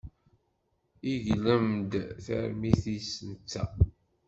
Iglem-d tarmit-is netta.